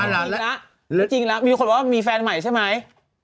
แล้วจริงแล้วมีคนบอกว่ามีแฟนใหม่ใช่ไหม